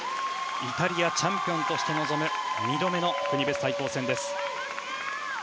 イタリアチャンピオンとして臨む２度目の国別対抗戦です。